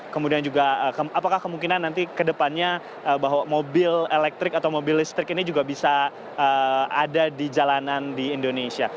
kemudian juga apakah kemungkinan nanti ke depannya bahwa mobil elektrik atau mobil listrik ini juga bisa ada di jalanan di indonesia